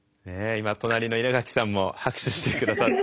今隣の稲垣さんも拍手して下さって。